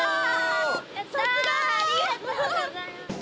やったありがとうございます。